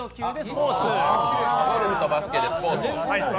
ゴルフとバスケでスポ−ツ。